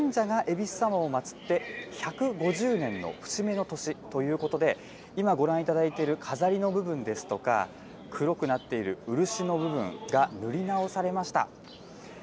ことしは神田神社がえびす様をまつって１５０年の節目の年ということで、今ご覧いただいている飾りの部分ですとか、黒くなっている漆の部分が塗り直されました。